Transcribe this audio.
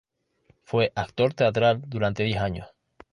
Fue actor teatral durante diez años.